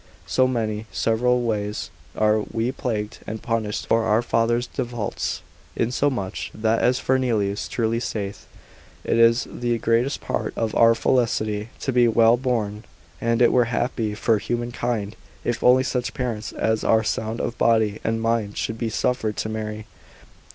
So many several ways are we plagued and punished for our father's defaults; insomuch that as Fernelius truly saith, It is the greatest part of our felicity to be well born, and it were happy for human kind, if only such parents as are sound of body and mind should be suffered to marry.